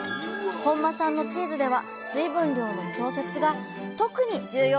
本間さんのチーズでは水分量の調節が特に重要なのです。